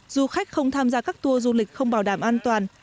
du khách không tham gia các tour du lịch không bảo đảm an toàn